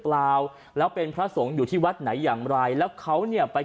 เปล่าแล้วเป็นพระสงฆ์อยู่ที่วัดไหนอย่างไรแล้วเขาเนี่ยไป